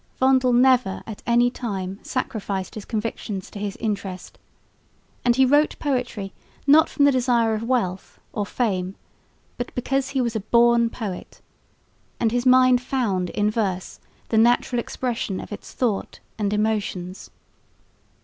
Vondel never at any time sacrificed his convictions to his interest, and he wrote poetry not from the desire of wealth or fame, but because he was a born poet and his mind found in verse the natural expression of its thought and emotions.